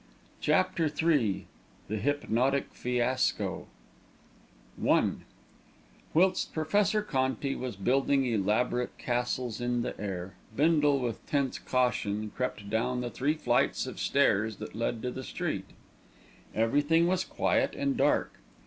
CHAPTER III THE HYPNOTIC FIASCO I Whilst Professor Conti was building elaborate castles in the air, Bindle with tense caution crept down the three flights of stairs that led to the street. Everything was quiet and dark.